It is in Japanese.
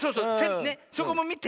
そこもみて。